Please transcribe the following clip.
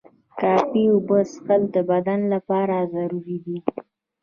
کافی اوبه څښل د بدن لپاره ضروري دي.